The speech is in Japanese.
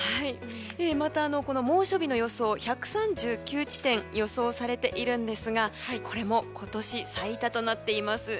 また、猛暑日の予想１３９地点予想されていますがこれも今年最多となっています。